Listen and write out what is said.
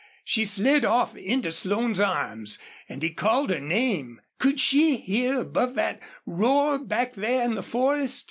She slid off into Slone's arms, and he called her name. Could she hear above that roar back there in the forest?